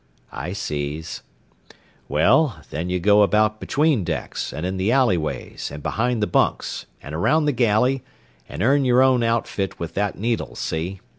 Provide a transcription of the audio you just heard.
"I sees." "Well, then ye go about between decks, an' in the alleyways, an' behind the bunks, an' around the galley, an' earn yer own outfit with that needle, see?